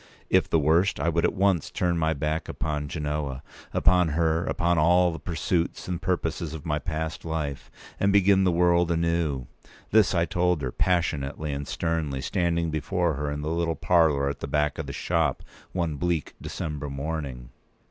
If the worst, I would at once turn my back upon Genoa, upon her, upon all the pursuits and purposes of my past life, and begin the world anew. This I told her, passionately and sternly, standing before her in the little parlour at the back of the shop, one bleak December morning.